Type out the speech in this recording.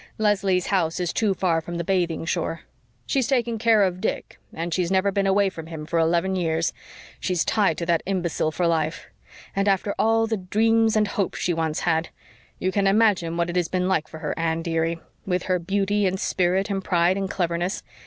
Leslie's house is too far from the bathing shore. She's taken care of Dick and she's never been away from him for eleven years she's tied to that imbecile for life. And after all the dreams and hopes she once had! You can imagine what it has been like for her, Anne, dearie with her beauty and spirit and pride and cleverness.